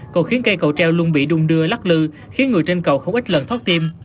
cầu khiến cây cầu treo luôn bị đung đưa lắc lư khiến người trên cầu không ít lần thoát tim